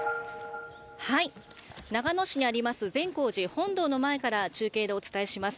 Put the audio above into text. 長野市にあります善光寺本堂の前から中継でお伝えします。